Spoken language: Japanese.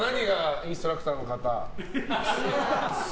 インストラクターの方。